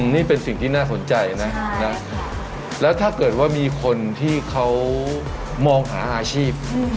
นี่เป็นสิ่งที่น่าสนใจนะแล้วถ้าเกิดว่ามีคนที่เขามองหาอาชีพ